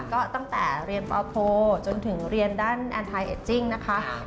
เรียนต่อมาจากเรียนปป์โพลจนถึงเรียนด้านอันไทเอ็จจิ้งนะคะ